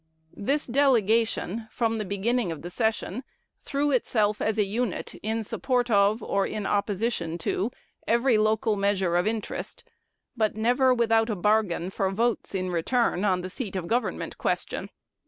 This delegation, from the beginning of the session, threw itself as a unit in support of, or in opposition to, every local measure of interest, but never without a bargain for votes in return on the seat of government question.